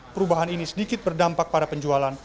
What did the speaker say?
perubahan ini sedikit berdampak pada penjualan